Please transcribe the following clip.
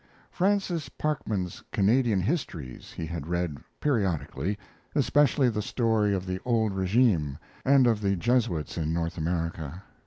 Francis Parkman's Canadian Histories he had read periodically, especially the story of the Old Regime and of the Jesuits in North America.